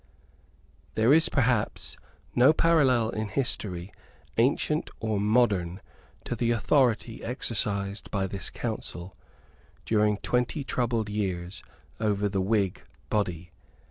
There is, perhaps, no parallel in history, ancient or modern, to the authority exercised by this council, during twenty troubled years, over the Whig body.